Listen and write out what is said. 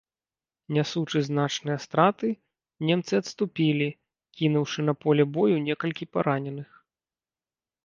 Нясучы значныя страты, немцы адступілі, кінуўшы на поле бою некалькі параненых.